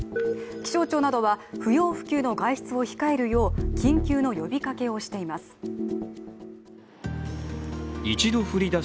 気象庁などは不要不急の外出を控えるよう緊急の呼びかけをしています。